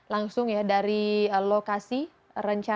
langsung ya dari lokasi rencana